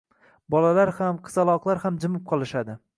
Bolalar ham, qizaloqlar ham jimib qolishadi.